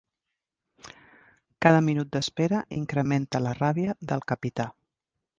Cada minut d'espera incrementa la ràbia del capità.